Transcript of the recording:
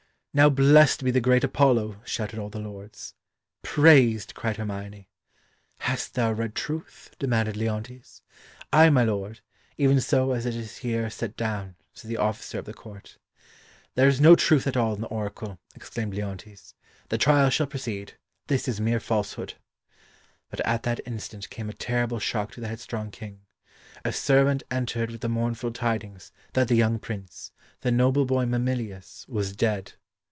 "Now blessed be the great Apollo!" shouted all the lords. "Praised!" cried Hermione. "Hast thou read truth?" demanded Leontes. "Ay, my lord, even so as it is here set down," said the officer of the court. "There is no truth at all in the Oracle," exclaimed Leontes. "The trial shall proceed; this is mere falsehood." But at that instant came a terrible shock to the headstrong King. A servant entered with the mournful tidings that the young Prince, the noble boy Mamillius, was dead.